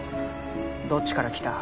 どっちから来た？